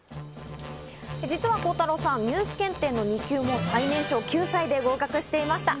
実は孝太朗さん、ニュース検定の２級も最年少９歳で合格していました。